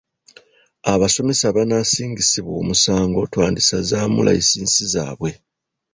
Abasomesa abanaasingisibwa omusango twandisazaamu layisinsi zaabwe.